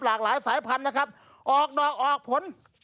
หลากหลายสายพันธุ์นะครับออกดอกออกผล